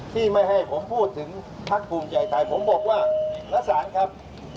ที่ไม่ให้ผมพูดถึงพักภูมิใจไทยผมบอกว่าละสารครับ